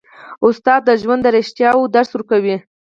استاد د ژوند د رښتیاوو درس ورکوي.